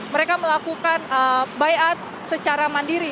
mereka melakukan bayat secara mandiri